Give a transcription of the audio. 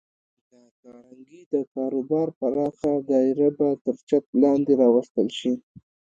د کارنګي د کاروبار پراخه دایره به تر چت لاندې راوستل شي